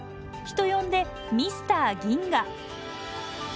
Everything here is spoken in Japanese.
人呼んでミスター銀河！